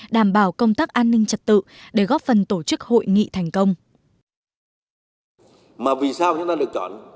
đảm bảo công tác an ninh trật tự để góp phần tổ chức hội nghị thành công